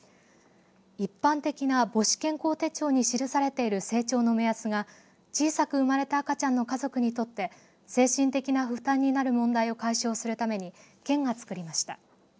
一般的な母子健康手帳に記されている成長の目安が小さく生まれた赤ちゃんの家族にとって精神的な負担になる問題を解消するために県が作りました。